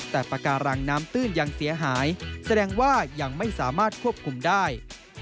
แต่ปากการังน้ำตื้นยังเสียหายแสดงว่ายังไม่สามารถควบคุมได้